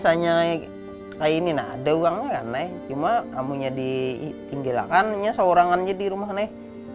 misalnya kayak gini ada orangnya kan nih cuma kamu tinggalkan seorang aja di rumah nih